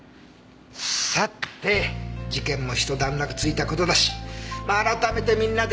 さて事件も一段落ついた事だしまあ改めてみんなで椅子の件を話し。